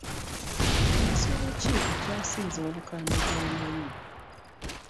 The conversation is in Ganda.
Nsolo ki ekyasinze obukambwe gy'omanyi?